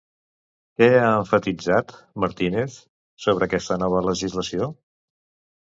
Què ha emfatitzat, Martínez, sobre aquesta nova legislació?